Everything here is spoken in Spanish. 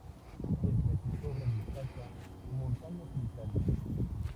Entre sus obras destaca "Montaña solitaria".